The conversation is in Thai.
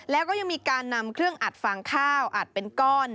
แล้วก็ยังมีการนำเครื่องอัดฟางข้าวอัดเป็นก้อน